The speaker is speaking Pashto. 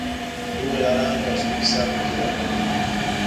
د دغو یارانو او سپي قصه په کې راغلې ده.